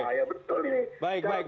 itu berbahaya betul ini